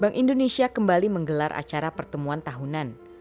bank indonesia kembali menggelar acara pertemuan tahunan